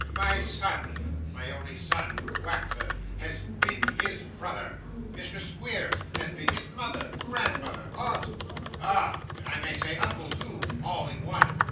My son my only son, Wackford has been his brother; Mrs. Squeers has been his mother, grandmother, aunt, ah! and I may say uncle too, all in one.